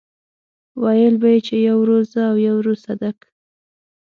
ويل به يې چې يو ورور زه او يو ورور صدک.